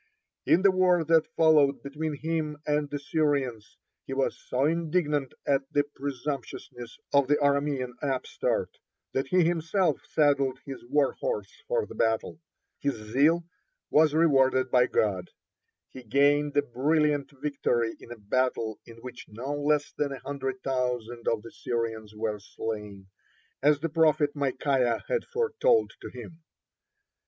(34) In the war that followed between himself and the Syrians, he was so indignant at the presumptuousness of the Aramean upstart that he himself saddled his warhorse for the battle. His zeal was rewarded by God; he gained a brilliant victory in a battle in which no less than a hundred thousand of the Syrians were slain, as the prophet Micaiah had foretold to him.